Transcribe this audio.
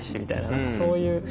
何かそういう。